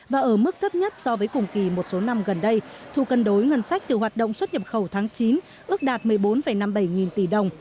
và ở mức thấp nhất so với cùng kỳ một số năm gần đây thu cân đối ngân sách từ hoạt động xuất nhập khẩu tháng chín ước đạt một mươi bốn năm mươi bảy nghìn tỷ đồng